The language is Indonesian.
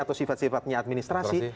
atau sifat sifatnya administrasi